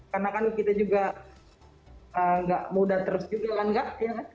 karena kan kita juga nggak mudah terus juga kan gak